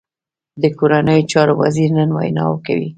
د کورنیو چارو وزیر نن وینا کوي